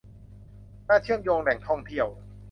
การเชื่อมโยงแหล่งท่องเที่ยว